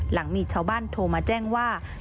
หลังมีชาวบ้านโทรมาแจ้งว่า